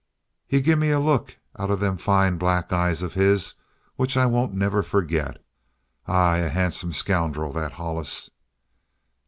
He gimme a look out of them fine black eyes of his which I won't never forget. Aye, a handsome scoundrel, that Hollis!"